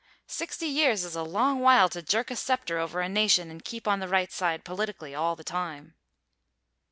Sixty years is a long while to jerk a sceptre over a nation and keep on the right side, politically, all the time.